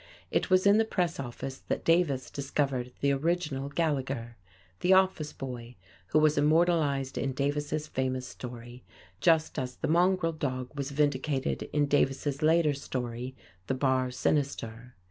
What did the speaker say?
It was in the Press office that Davis discovered the original Gallegher the office boy who was immortalized in Davis' famous story, just as the mongrel dog was vindicated in Davis' later story "The Bar Sinister."